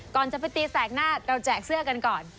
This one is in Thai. ก่อนจะไปตีแสกหน้าเราแจกเสื้อกันก่อน